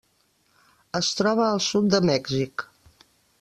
Es troba al sud de Mèxic.